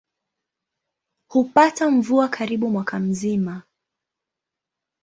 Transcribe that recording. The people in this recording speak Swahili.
Hupata mvua karibu mwaka mzima.